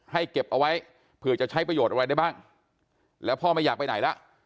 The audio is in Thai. เก็บเอาไว้เผื่อจะใช้ประโยชน์อะไรได้บ้างแล้วพ่อไม่อยากไปไหนล่ะ